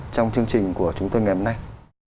trong chương trình của chúng tôi ngày hôm nay